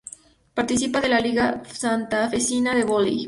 Participan de la liga santafesina de voley.